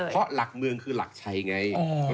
เพราะหลักเมืองคือหลักชัยไง